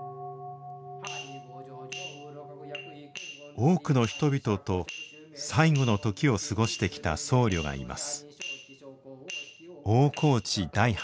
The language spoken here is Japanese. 多くの人々と最期の時を過ごしてきた僧侶がいます。